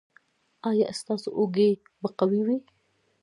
ایا ستاسو اوږې به قوي وي؟